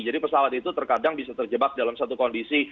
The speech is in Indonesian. jadi pesawat itu terkadang bisa terjebak dalam satu kondisi